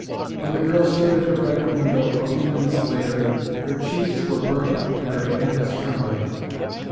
When the girl stood at her bedroom window, a few minutes later, her cheeks were burning and her hands trembling.